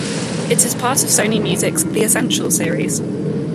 It is part of Sony Music's "The Essential" series.